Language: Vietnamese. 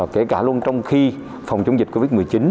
kể cả luôn trong khi phòng chống dịch covid một mươi chín